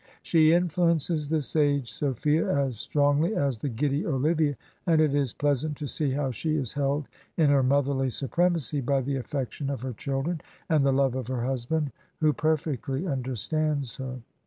She influences the sage Sophia as strong ly as the giddy Olivia, and it is pleasant to see how she is held in her motherly supremacy by the affection of her children, and the love of her husband, who perfectly understands her.